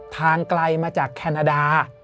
ทางไกลมาจากแคนาดา